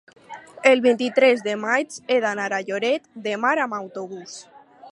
el vint-i-tres de maig he d'anar a Lloret de Mar amb autobús.